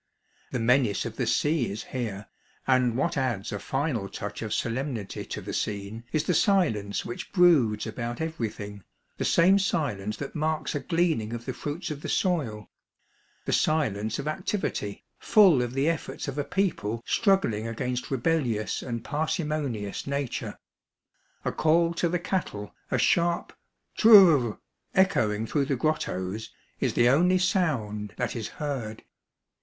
The menace of the sea is here, and what adds a final touch of solemnity to the scene is the silence which broods about every thing, the same silence that marks a gleaning of the fruits of the soil, the silence of activity, full of the efforts of a people struggling against rebellious and parsimonious nature. A call to the cattle, a sharp " t r r r " echoing through the grottos, is the only sound that is heard.